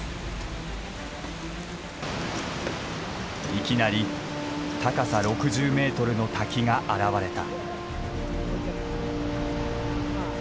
いきなり高さ６０メートルの滝が現れた。